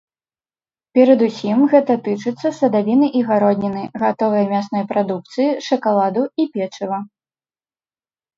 Перадусім гэта тычыцца садавіны і гародніны, гатовай мясной прадукцыі, шакаладу і печыва.